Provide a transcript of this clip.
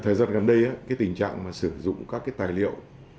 thời gian gần đây tình trạng sử dụng các tài liệu